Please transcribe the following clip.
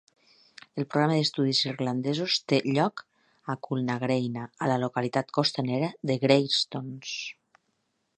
El programa d'estudis irlandesos té lloc a Coolnagreina a la localitat costanera de Greystones.